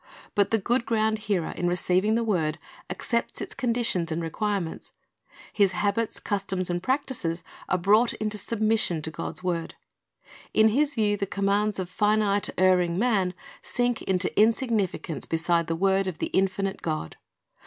'But the good ground hearer, in receiving the word, accepts all its conditions and requirements. His habits, customs, and practises are brought into submission to God's word. In his view the commands of finite, erring man sink into insignificance beside the word of the infinite God.